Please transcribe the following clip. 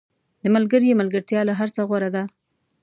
• د ملګري ملګرتیا له هر څه غوره ده.